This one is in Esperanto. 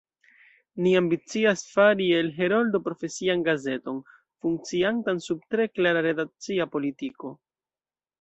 Ni ambicias fari el Heroldo profesian gazeton, funkciantan sub tre klara redakcia politiko.